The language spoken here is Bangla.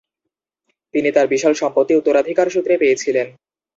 তিনি তার বিশাল সম্পত্তি উত্তরাধিকার সূত্রে পেয়েছিলেন।